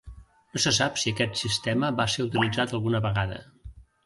No se sap si aquest sistema va ser utilitzat alguna vegada.